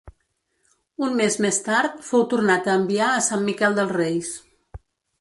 Un mes més tard fou tornat a enviar a Sant Miquel dels Reis.